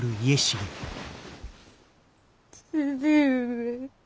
父上。